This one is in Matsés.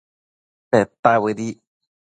Peta bëdic